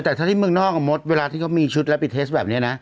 แต่ถ้าที่เมืองนอกกับมดเวลาที่เขามีชุดแล้วปิดเทสแบบนี้นะ